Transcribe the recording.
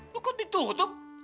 lho kok ditutup